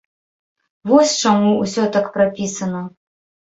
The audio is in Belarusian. Вось чаму ўсё так прапісана.